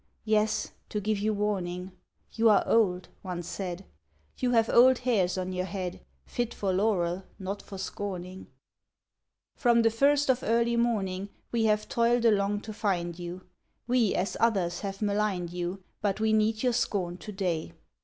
— Yes, to give you warning; You are old," one said; ''You have old hairs on your head. Fit for laurel, not for scorning. it ft "From the first of early morning We have toiled along to find you; We, as others, have maligned you. But we need your scorn to day.